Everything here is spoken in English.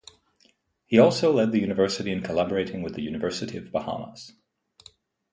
He also led the university in collaborating with the University of Bahamas.